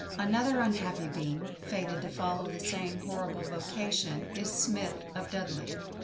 Another unhappy being, fated to follow the same horrible vocation, is SMITH, of Dudley.